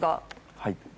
はい。